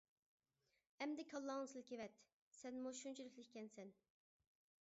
ئەمدى كاللاڭنى سىلكىۋەت، سەنمۇ شۇنچىلىكلا ئىكەنسەن!